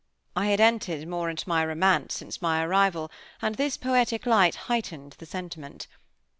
I had entered more into my romance since my arrival, and this poetic light heightened the sentiment.